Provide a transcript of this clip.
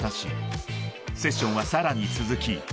［セッションはさらに続き］